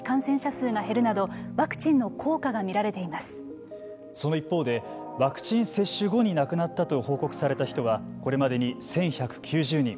その一方でワクチン接種後に亡くなったと報告された人はこれまでに１１９０人。